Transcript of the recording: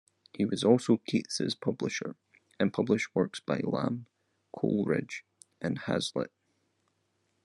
He was also Keats's publisher, and published works by Lamb, Coleridge and Hazlitt.